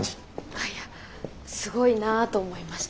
あいやすごいなぁと思いまして。